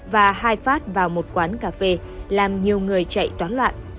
và hai phát vào một quán cà phê làm nhiều người chạy toán loạn